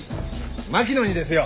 槙野にですよ。